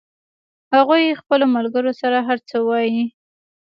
هغوی خپلو ملګرو سره هر څه وایي